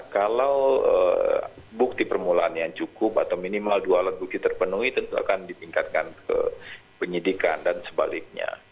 kalau bukti permulaan yang cukup atau minimal dua alat bukti terpenuhi tentu akan ditingkatkan ke penyidikan dan sebaliknya